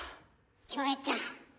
キョエちゃん。